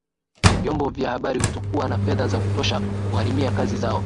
vyombo vya habari kutokuwa na fedha za kutosha kugharimia kazi zao